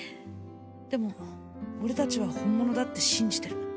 でも俺達は本物だって信じてる